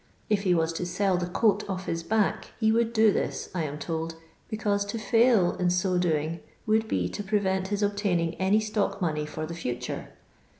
If he was to sell the coat off his bock he would do this, I am told, because to iiiil in so doing would be to pre vent his obtaining any stock money for the future.